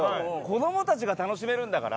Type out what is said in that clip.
子どもたちが楽しめるんだから。